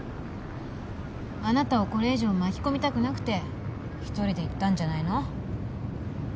あなたをこれ以上巻き込みたくなくて一人で行ったんじゃないの？